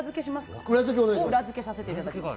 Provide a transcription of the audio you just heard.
裏付けさせていただきます。